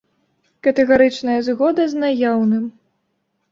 Катэгарычная згода з наяўным.